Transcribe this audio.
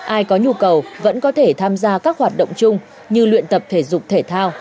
ai có nhu cầu vẫn có thể tham gia các hoạt động chung như luyện tập thể dục thể thao